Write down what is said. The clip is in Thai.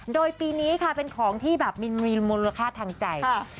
โดยปีนี้ค่ะเป็นของที่แบบมีมูลค่าทางใจ